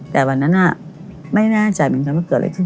แต่วันนั้นไม่แน่ใจเหมือนกันว่าเกิดอะไรขึ้น